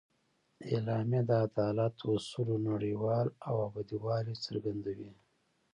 اعلامیه د عدالت اصولو نړیوال او ابدي والي څرګندوي.